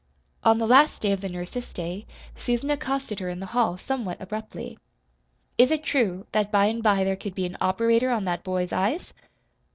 On the last day of the nurse's stay, Susan accosted her in the hall somewhat abruptly. "Is it true that by an' by there could be an operator on that boy's eyes?"